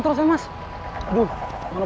tadi terkunci aja